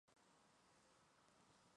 Los triángulos se hacen rectángulos.